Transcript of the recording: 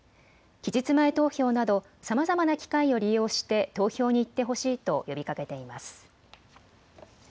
期日前投票などさまざまな機会を利用して投票に行ってほしいと呼びかけています。